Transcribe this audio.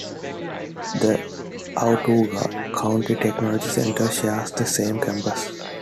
The Autauga County Technology Center shares the same campus.